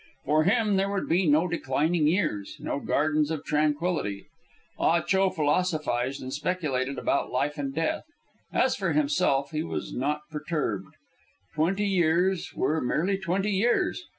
For him there would be no declining years, no gardens of tranquillity. Ah Cho philosophized and speculated about life and death. As for himself, he was not perturbed. Twenty years were merely twenty years.